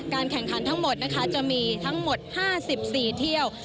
การแข่งขันทั้งหมดไทยจะมี๕๔เที่ยว